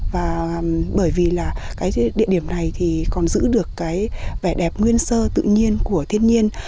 và bởi vì là cái địa điểm này thì còn giữ được cái vẻ đẹp nguyên sơ tự nhiên của thiên nhiên